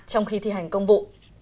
trong khi thi hành công vụ